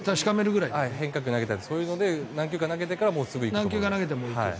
変化球を投げたりとかそういうので何球か投げてからだと。